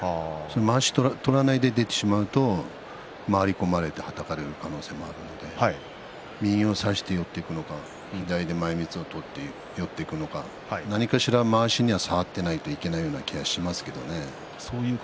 まわしを取らないで出てしまうと回り込まれてはたかれる可能性もあるので右を差して寄っていくのか左で前みつを取って寄っていくのか何かしらまわしには触っていないといけないような気がしますけどね。